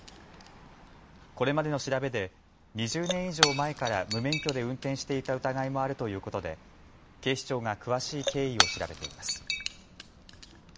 これまでの調べで２０年以上前から無免許で運転していた疑いもあるということで警視庁が詳しい経緯を調べています。